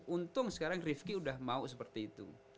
untung sekarang rifki sudah mau seperti itu